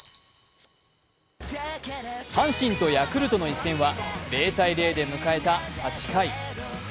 阪神とヤクルトの一戦は０−０で迎えた８回。